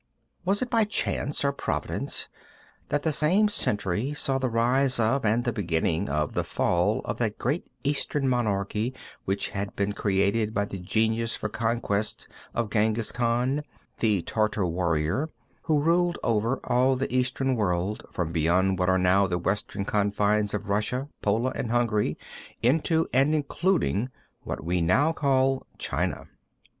Was it by chance or Providence that the same century saw the rise of and the beginning of the fall of that great Eastern monarchy which had been created by the genius for conquest of Jenghiz Khan, the Tartar warrior, who ruled over all the Eastern world from beyond what are now the western confines of Russia, Poland, and Hungary, into and including what we now call China.